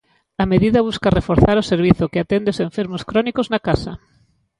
A medida busca reforzar o servizo que atende os enfermos crónicos na casa.